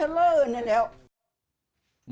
เห็นแต่น้ำเขาใหญ่เท่าเล่นอีกแล้ว